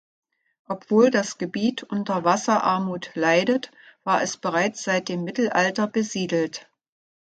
Obwohl das Gebiet unter Wasserarmut leidet, war es bereits seit dem Mittelalter besiedelt.